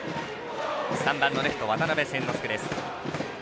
３番のレフト、渡邉千之亮です。